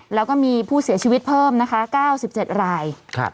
แล้วก็มีผู้เสียชีวิตเพิ่มนะคะ๙๗ราย